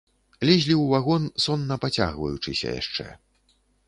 Лезлі ў вагон, сонна пацягваючыся яшчэ.